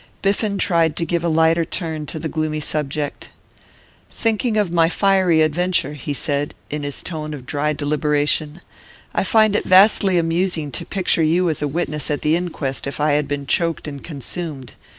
Biffen tried to give a lighter turn to the gloomy subject. 'Thinking of my fiery adventure,' he said, in his tone of dry deliberation, 'I find it vastly amusing to picture you as a witness at the inquest if I had been choked and consumed.